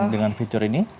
dengan fitur ini